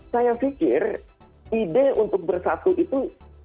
saya pikir ide untuk bersatu itu